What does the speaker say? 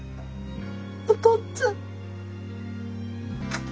お父っつぁん。